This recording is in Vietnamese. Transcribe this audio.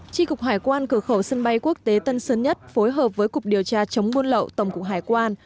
tri cục hải quan cửa khẩu sân bay quốc tế tân sơn nhất phối hợp với cục điều tra chống buôn lậu tổng cục hải quan